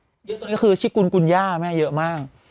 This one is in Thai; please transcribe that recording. ตอนนี้คือชิคกุลกุญญาเยอะมาก